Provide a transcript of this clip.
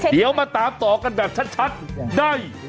เดี๋ยวมาตามต่อกันแบบชัดได้